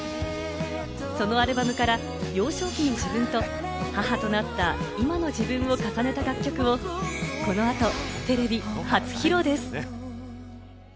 そのアルバムから幼少期の自分と、母となった今の自分を重ねた楽曲をこの後、テレビ初披露です。